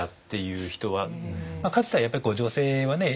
かつてはやっぱり女性はね